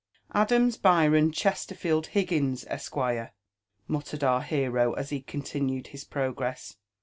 Adams Byron Chesterfield Higgins, Esq." mattered our hero as he continued his progress.